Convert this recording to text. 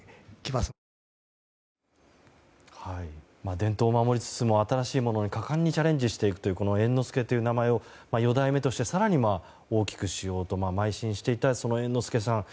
伝統を守りつつも新しいものに果敢にチャレンジしていくという猿之助という名前を四代目として更に大きくしようと邁進していたその猿之助さん